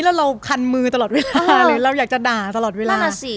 แล้วเราคันมือตลอดเวลาเลยเราอยากจะด่าตลอดเวลานั่นอ่ะสิ